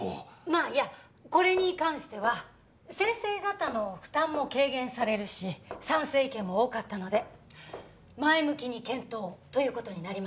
まあいやこれに関しては先生方の負担も軽減されるし賛成意見も多かったので前向きに検討という事になりました。